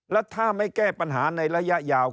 แล้วถ้าไม่แก้ปัญหาในระยะยาว